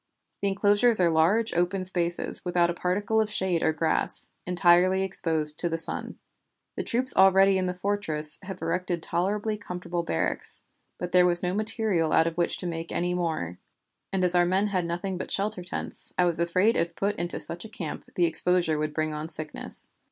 The enclosures are large, open spaces, without a particle of shade or grass, entirely exposed to the sun. The troops already in the fortress have erected tolerably comfortable barracks, but there was no material out of which to make any more; and as our men had nothing but shelter tents, I was afraid if put into such a camp the exposure would bring on sickness.